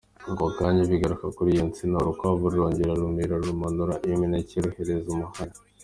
Ako kanya bigaruka kuri ya nsina, urukwavu rurongera rururira rumanura imineke ruhereza umuhari.